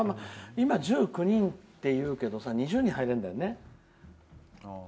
今、１９人っていうけど２０人、入れるんだよね。